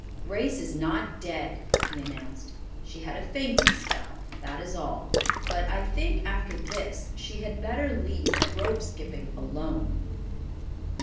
"Grace is not dead," he announced. "She had a fainting spell, that is all. But I think after this she had better leave rope skipping alone."